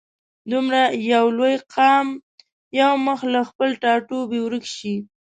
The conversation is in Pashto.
دومره یو لوی قام یو مخ له خپل ټاټوبي ورک شي.